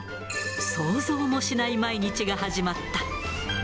想像もしない毎日が始まった。